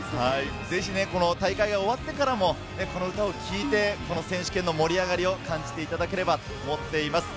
ぜひ大会が終わってからもこの歌を聴いて、選手権の盛り上がりを感じていただければと思っています。